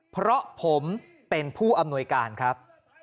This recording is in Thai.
เพราะผมเป็นผู้อำนวยการครับ